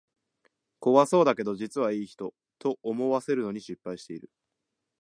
怖そうだけど実はいい人、と思わせるのに失敗してる